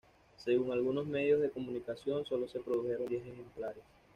Según algunos medios de comunicación, sólo se produjeron diez ejemplares.